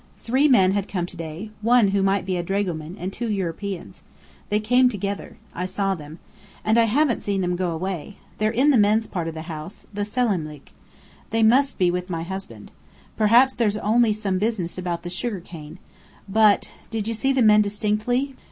Three men had come to day, one who might be a dragoman, and two Europeans. They came together. I saw them. And I haven't seen them go away. They're in the men's part of the house the selâmlik. They must be with my husband. Perhaps there's only some business about the sugarcane. But " "Did you see the men distinctly?"